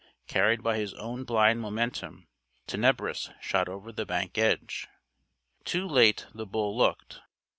Carried by his own blind momentum, Tenebris shot over the bank edge. Too late the bull looked.